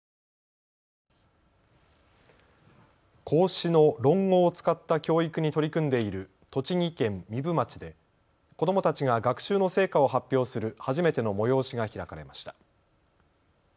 孔子の論語を使った教育に取り組んでいる栃木県壬生町で子どもたちが学習の成果を発表する初めての催しが開かれました。